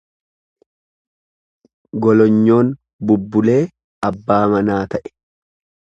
Golonyoon bubbulee abbaa manaa ta'e.